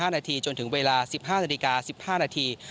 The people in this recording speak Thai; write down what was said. ๑๕นาทีจนถึงเวลา๑๕นาที